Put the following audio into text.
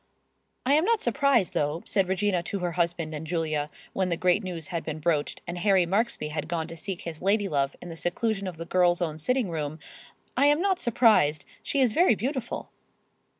"I am not surprised, though," said Regina to her husband and Julia when the great news had been broached and Harry Marksby had gone to seek his lady love in the seclusion of the girls' own sitting room, "I am not surprised. She is very beautiful."